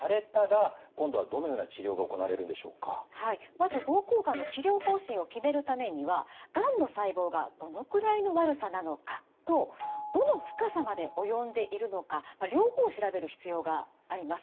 まず膀胱がんの治療方針を決めるためにはがんの細胞がどのくらいの悪さなのかとどの深さまで及んでいるのか両方を調べる必要があります。